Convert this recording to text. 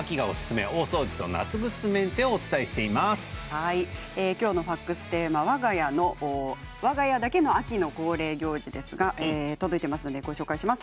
メンテをきょうのファックステーマはわが家だけの秋の恒例行事ですが届いていますのでご紹介します。